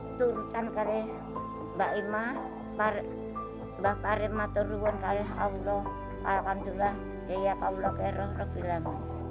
turkan kare baima bakare maturuan kare allah alhamdulillah ya ya allah kero robilam